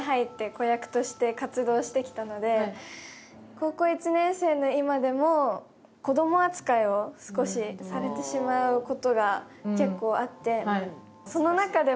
高校１年生の今でも子ども扱いを少しされてしまう事が結構あって。